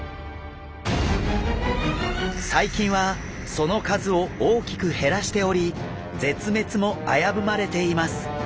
最近はその数を大きく減らしており絶滅も危ぶまれています。